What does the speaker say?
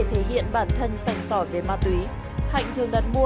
hạnh trở về việt nam